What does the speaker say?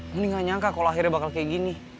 ini gak nyangka kalau akhirnya bakal kayak gini